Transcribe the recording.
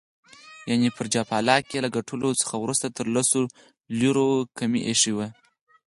یعني پر جاپلاک یې له ګټلو څخه وروسته تر لسو لیرو کمې ایښي وې.